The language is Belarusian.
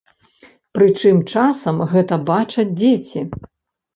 Прычым часам гэта бачаць дзеці.